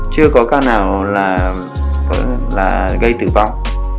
chưa có ca nào là gây tử vong